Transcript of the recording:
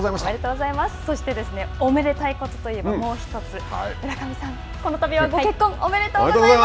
そして、おめでたいことといえばもう一つ村上さん、このたびは、ご結婚おめでとうございます。